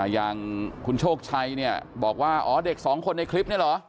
อย่างคุณโชคชัยเนี่ยบอกว่าอ๋อเด็กสองคนในคลิปนี้เหรอ